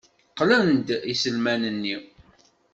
Qlan-d iselman-nni.